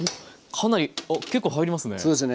かなり結構入りますね。